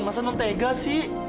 masa non tega sih